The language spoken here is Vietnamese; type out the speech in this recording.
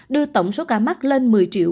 đưa tổng số ca mắc lên một mươi bốn trăm linh